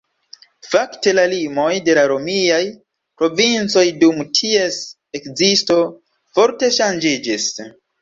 Fakte la limoj de la romiaj provincoj dum ties ekzisto forte ŝanĝiĝis.